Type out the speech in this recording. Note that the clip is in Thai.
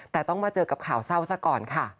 แต่ต้องมาเจอกับข่าวเศร้าซะก่อนค่ะ